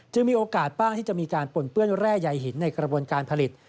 มีโอกาสบ้างที่จะมีการปนเปื้อนแร่ใยหินในกระบวนการผลิต